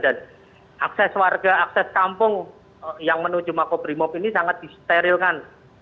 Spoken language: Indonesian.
dan akses warga akses kampung yang menuju makobrimo ini sangat disterilkan